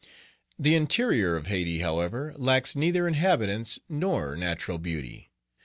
The interior of Hayti, however, lacks neither inhabitants nor natural beauty.